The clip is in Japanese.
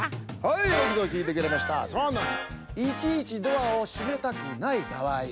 いちいちドアをしめたくないばあい